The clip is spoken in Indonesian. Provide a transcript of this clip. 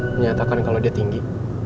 menyatakan kalau dia tinggi